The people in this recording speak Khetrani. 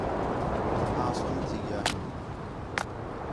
آں سُن تھی ڳِیا ہیں